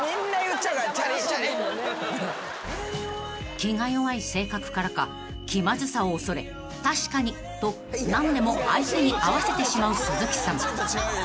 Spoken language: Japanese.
［気が弱い性格からか気まずさを恐れ「確かに」と何でも相手に合わせてしまう鈴木さん］